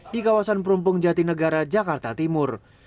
di kawasan perumpung jati negara jakarta timur